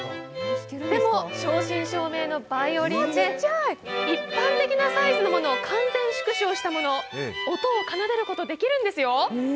でも、正真正銘のバイオリンで一般的なサイズのものを完全縮小したもの、音を奏でることできるんですよ。